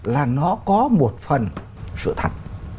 là nó có một phần sự thật